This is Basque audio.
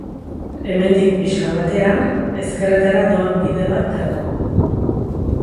Hemendik pixka batera, ezkerretara doan bide bat dago.